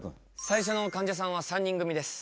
最初のかんじゃさんは３人組です。